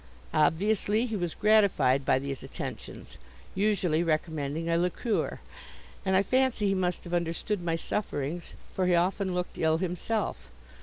Obviously he was gratified by these attentions, usually recommending a liqueur; and I fancy he must have understood my sufferings, for he often looked ill himself.